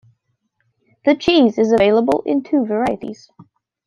The cheese is available in two varieties.